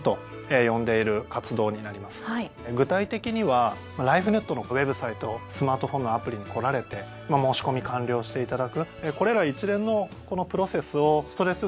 具体的にはライフネットのウェブサイトスマートフォンのアプリに来られて申し込み完了していただくこれら一連のこのプロセスをストレス